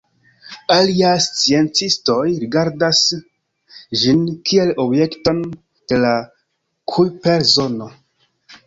Aliaj sciencistoj rigardas ĝin kiel objekton de la Kujper-zono.